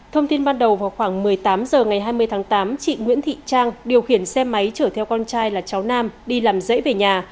thông tin ban đầu vào khoảng một mươi tám h ngày hai mươi tháng tám chị nguyễn thị trang điều khiển xe máy chở theo con trai là cháu nam đi làm rẫy về nhà